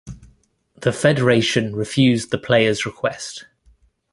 The Federation refused the player's request.